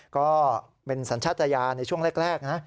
ก็เป็นสัญชาติยานในช่วงแรกนะ